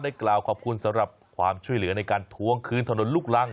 กล่าวขอบคุณสำหรับความช่วยเหลือในการทวงคืนถนนลูกรัง